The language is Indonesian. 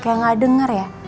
kayak gak denger ya